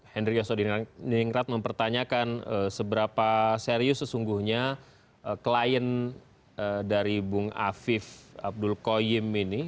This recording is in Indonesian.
hendri yosodiningrat mempertanyakan seberapa serius sesungguhnya klien dari bung afif abdul qoyim ini